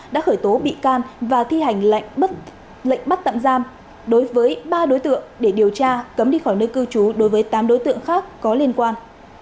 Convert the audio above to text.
đã khởi tố bị can và thi hành lệnh bắt tạm giam đối với ba đối tượng để điều tra cấm đi khỏi nơi cư trú đối với tám đối tượng khác có liên quan